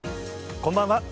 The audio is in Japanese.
こんばんは。